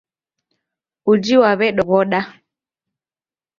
Uji waw'edoghoda.